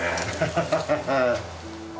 ハハハハッ。